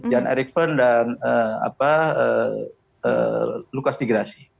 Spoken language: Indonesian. jan erik verne dan lucas tigrasi